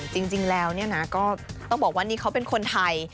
จริงแล้วเนี่ยนะก็ต้องบอกว่านี่เขาเป็นคนไทย